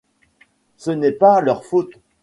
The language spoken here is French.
Ce n’est pas leur faute.